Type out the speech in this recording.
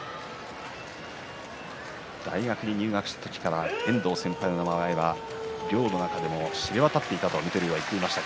大学に入学した時から遠藤先輩の名前は寮の中に知れ渡っていたと話していました。